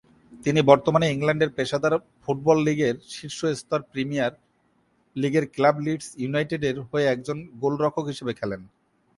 তিনি বর্তমানে ইংল্যান্ডের পেশাদার ফুটবল লীগের শীর্ষ স্তর প্রিমিয়ার লীগের ক্লাব লিডস ইউনাইটেডের হয়ে একজন গোলরক্ষক হিসেবে খেলেন।